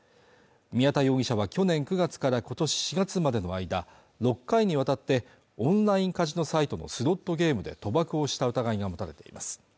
宮田容疑者は去年９月から今年４月までの間６回にわたってオンラインカジノサイトのスロットゲームで賭博をした疑いが持たれています